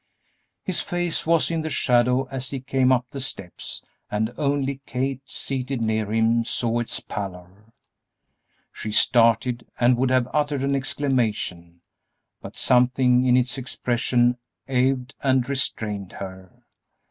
His face was in the shadow as he came up the steps, and only Kate, seated near him, saw its pallor. She started and would have uttered an exclamation, but something in its expression awed and restrained her.